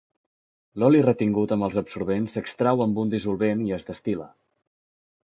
L’oli retingut amb els adsorbents s’extrau amb un dissolvent i es destil·la.